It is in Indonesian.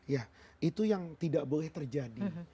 ya itu yang tidak boleh terjadi